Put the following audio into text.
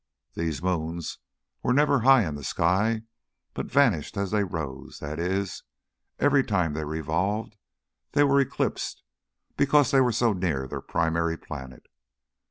These moons were never high in the sky, but vanished as they rose: that is, every time they revolved they were eclipsed because they were so near their primary planet.